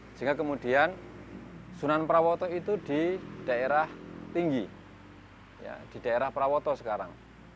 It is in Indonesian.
sehingga kemudian sunan prawoto itu di daerah tinggi di daerah prawoto sekarang